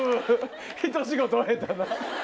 ひと仕事終えたな。